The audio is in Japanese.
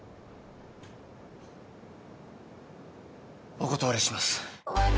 お断りします。